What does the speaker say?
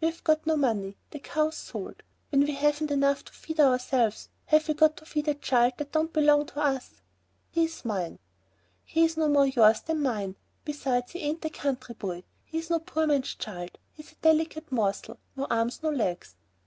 We've got no money. The cow's sold. When we haven't enough to feed ourselves, have we got to feed a child that don't belong to us?" "He's mine." "He's no more yours than mine. Besides, he ain't a country boy. He's no poor man's child. He's a delicate morsel, no arms, no legs."